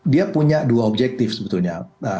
dia punya dua objektif sebetulnya